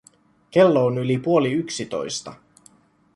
Kello on yli puoli yksitoista.